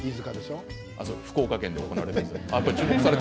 福岡県で行われます。